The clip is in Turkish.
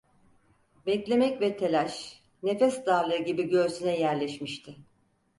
Beklemek ve telaş, nefes darlığı gibi göğsüne yerleşmişti.